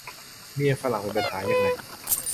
เมียฝรั่งเป็นปัญหายังไง